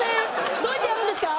どうやってやるんですか？